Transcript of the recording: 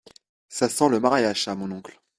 Ça sent le mariage ça, mon oncle.